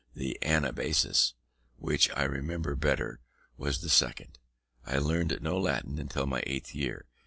The Anabasis, which I remember better, was the second. I learnt no Latin until my eighth year.